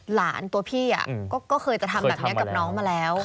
หลานตัวพี่ก็เคยจะทำแบบนี้กับน้องมาแล้ว